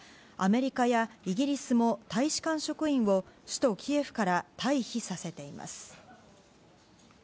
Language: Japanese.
アメリカやイギリスも大使館職員を首都キエフから退避させています。